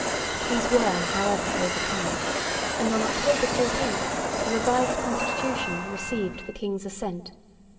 These were, however, overcome; and on October 14 the revised constitution received the king's assent.